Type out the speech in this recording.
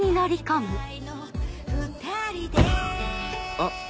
あっ